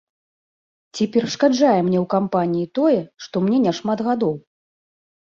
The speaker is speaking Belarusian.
Ці перашкаджае мне ў кампаніі тое, што мне няшмат гадоў?